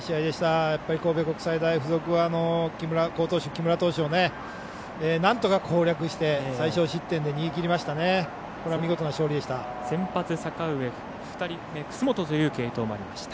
神戸国際大付属は好投手木村投手をなんとか攻略して最少失点で逃げきりました。